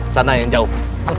sana yang jauh